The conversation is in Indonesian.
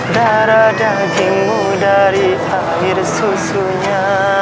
darah dagingmu dari air susunya